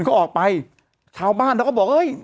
ก็ออกไปชาวบ้านเขาก็บอกเฮ้ย